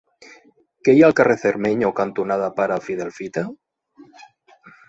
Què hi ha al carrer Cermeño cantonada Pare Fidel Fita?